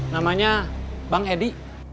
namanya bang edi